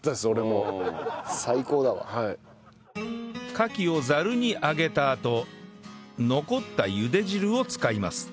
カキをざるに上げたあと残ったゆで汁を使います